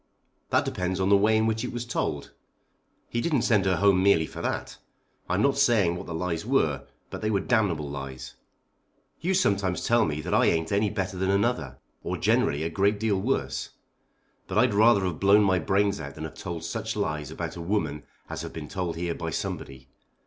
"That depends on the way in which it was told. He didn't send her home merely for that. I am not saying what the lies were, but they were damnable lies. You sometimes tell me that I ain't any better than another, or generally a great deal worse. But I'd rather have blown my brains out than have told such lies about a woman as have been told here by somebody.